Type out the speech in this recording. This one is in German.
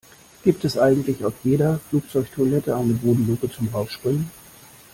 Gibt es eigentlich auf jeder Flugzeugtoilette eine Bodenluke zum Rausspringen?